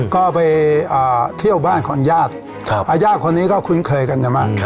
ก็ไปเที่ยวบ้านของยาฏยาวคนนี้ก็คุ้นเคยกันจะไม่